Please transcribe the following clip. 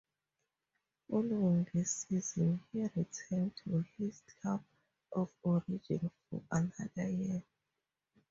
Following this season he returned to his club of origin for another year.